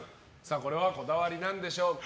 これはこだわりなんでしょうか。